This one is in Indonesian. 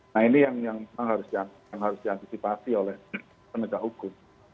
nah ini yang harus diantisipasi oleh penegak hukum